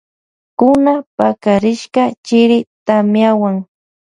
Kuna pakarishka chiri tamiawan.